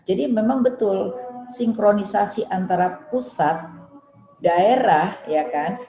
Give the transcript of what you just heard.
memang betul sinkronisasi antara pusat daerah ya kan